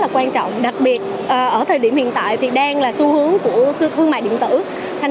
là quan trọng đặc biệt ở thời điểm hiện tại thì đang là xu hướng của sư thương mại điện tử thành